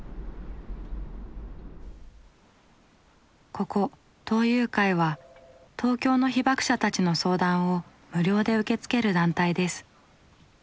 ここ「東友会」は東京の被爆者たちの相談を無料で受け付ける団体です。